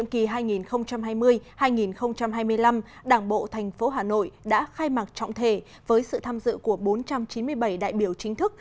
năm hai nghìn hai mươi hai nghìn hai mươi năm đảng bộ tp hà nội đã khai mạc trọng thể với sự tham dự của bốn trăm chín mươi bảy đại biểu chính thức